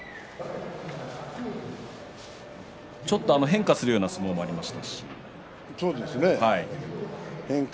ちょっと変化するような相撲もありました。